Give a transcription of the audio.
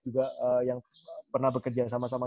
juga yang pernah bekerja sama sama